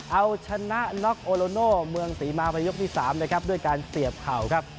เอาชนะน็อกโอโลโน่เมืองศรีมาไปยกที่๓นะครับด้วยการเสียบเข่าครับ